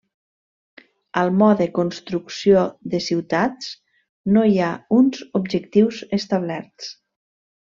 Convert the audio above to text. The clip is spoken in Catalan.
Al mode construcció de ciutats, no hi ha uns objectius establerts.